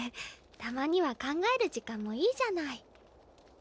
たまには考える時間もいいじゃない。